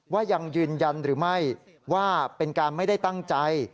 ยังยืนยันหรือไม่ว่าเป็นการไม่ได้ตั้งใจ